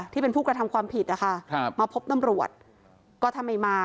ที่เป็นผู้กระทำความผิดนะคะครับมาพบตำรวจก็ถ้าไม่มา